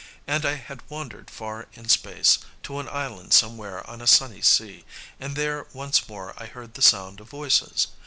And I had wandered far in space, to an island somewhere on a sunny sea; and there once more I heard the sound of voices.